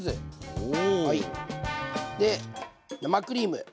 で生クリーム。